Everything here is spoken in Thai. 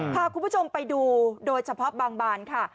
พาคุณผู้ชมไปดูโดยเฉพาะบางบานค่ะ